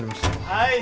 はい。